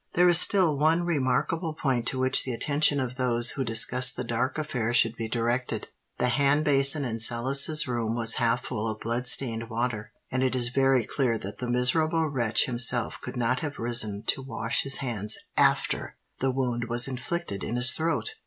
There is still one remarkable point to which the attention of those who discuss the dark affair should be directed:—the hand basin in Sellis's room was half full of blood stained water, and it is very clear that the miserable wretch himself could not have risen to wash his hands after the wound was inflicted in his throat.